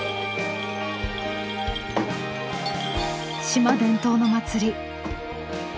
島伝統の祭り